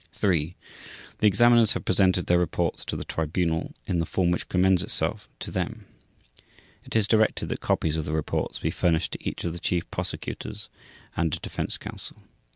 3. The examiners have presented their reports to the Tribunal in the form which commends itself to them. It is directed that copies of the reports be furnished to each of the Chief Prosecutors and to Defense Counsel.